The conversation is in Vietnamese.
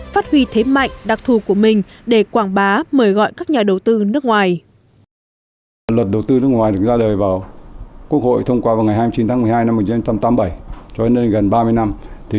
phát huy thế mạnh đặc thù của mình để quảng bá mời gọi các nhà đầu tư nước ngoài